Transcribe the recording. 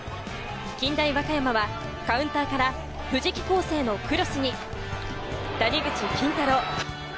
近大和歌山はカウンターから藤木皇成のクロスに、谷口金太郎。